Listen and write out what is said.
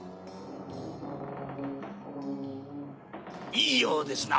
いいようですな。